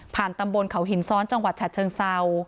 ตำบลเขาหินซ้อนจังหวัดฉะเชิงเศร้า